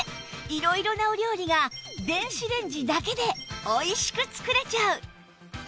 色々なお料理が電子レンジだけでおいしく作れちゃう！